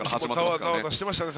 ざわざわしてましたね